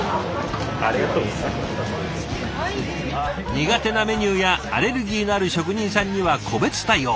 苦手なメニューやアレルギーのある職人さんには個別対応。